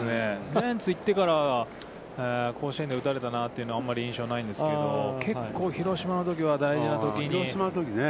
ジャイアンツ行ってから、甲子園で打たれたなという印象はないんですけど、結構広島のときは大事なときに。